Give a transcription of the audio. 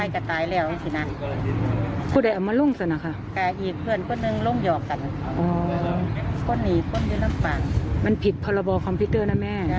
ใช่เหรอไม่เอาความเนอะอย่างเดิม